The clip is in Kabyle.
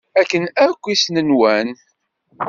Akken akk i s-nwan.